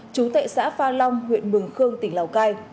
chú tệ xã pha long huyện mường khương tỉnh lào cai